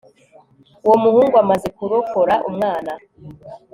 uwo muhungu amaze kurokora umwana